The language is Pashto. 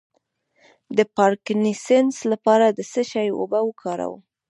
د پارکینسن لپاره د څه شي اوبه وکاروم؟